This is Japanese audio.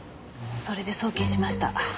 それで送金しました。